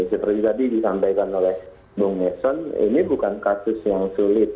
seperti tadi disampaikan oleh bung netson ini bukan kasus yang sulit